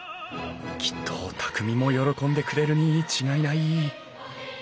きっと匠も喜んでくれるに違いない。